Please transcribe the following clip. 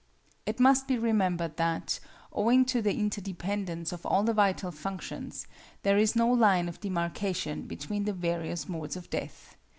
It must be remembered that, owing to the interdependence of all the vital functions, there is no line of demarcation between the various modes of death.